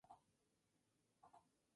Fue la primera receta en incorporar queso.